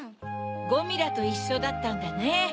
ゴミラといっしょだったんだね。